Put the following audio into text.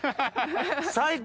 最高！